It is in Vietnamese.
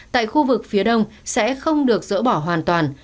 tại khu vực phía đông sẽ không được dỡ bỏ hoàn toàn